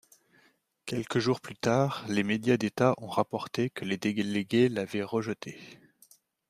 Quelques jours plus tard, les médias d'État ont rapporté que les délégués l'avaient rejetée.